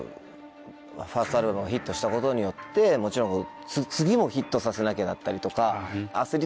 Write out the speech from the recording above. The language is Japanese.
ファーストアルバムがヒットしたことによってもちろん次もヒットさせなきゃだったりとか。